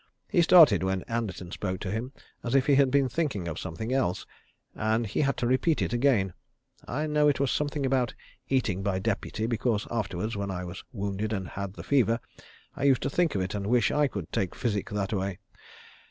He started when Anderton spoke to him, as if he had been thinking of something else, and he had to repeat it again. I know it was something about eating by deputy, because afterwards, when I was wounded and had the fever, I used to think of it and wish I could take physic that way.